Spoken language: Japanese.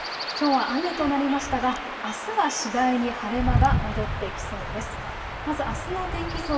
きょうは雨となりましたがあすは次第に晴れ間が戻ってきそうです。